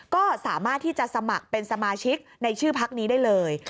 ก็สามารถที่จะสมัครเป็นสมาชิกในชื่อพักนี้ได้เลย